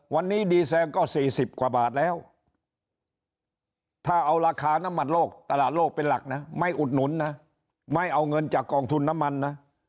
วันนี้ดีแซงก็๔๐กว่าบาทแล้วถ้าเอาราคาน้ำมันโลกตลาดโลกเป็นหลักนะไม่อุดหนุนนะไม่เอาเงินจากกองทุนน้ำมันนะ